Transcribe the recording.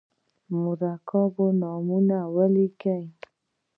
د مرکبونو نومونه ولیکئ.